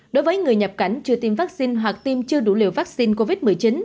đối với người nhập cảnh chưa tiêm vaccine hoặc tiêm chưa đủ liều vaccine covid một mươi chín